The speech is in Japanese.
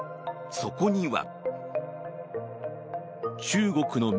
そこには。